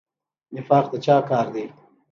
نفاق د چا کار دی؟